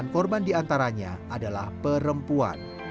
delapan puluh delapan korban diantaranya adalah perempuan